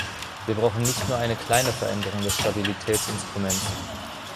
Wir brauchen nicht nur eine kleine Veränderung des Stabilitätsinstruments.